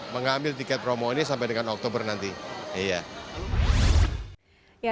mengambil tiket promo ini sampai dengan oktober nanti